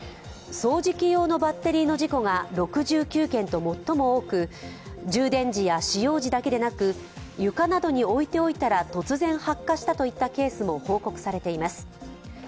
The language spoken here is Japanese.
掃除機用のバッテリーの事故が６９件と最も多く充電時や使用時だけでなく、床などに置いておいたら突然発火したといったケースも報告されています。